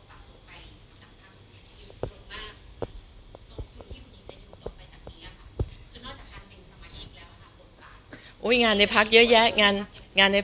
ตอนนี้นะคะหลายคนก็เริ่มมองว่าการคุณหญิง